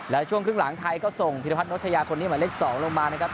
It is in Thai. แล้วช่วงครึ่งหลังท้ายก็ส่งพิทธิพัทรโนชยาคนนี้มาเล็ก๒ลงมานะครับ